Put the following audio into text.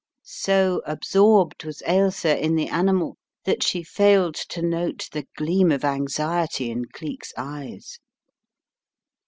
So absorbed was Ailsa in the animal, that she failed to note the gleam of anxiety in Cleek's eyes.